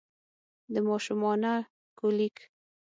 د ماشومانه کولیک